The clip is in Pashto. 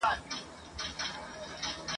د فرعون په سر کي تل یوه سودا وه ..